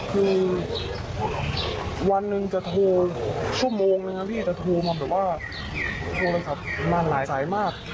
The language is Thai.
คือวันหนึ่งจะโทรชั่วโมงนึงครับพี่จะโทรมาแบบว่าโทรศัพท์มาหลายสายมาก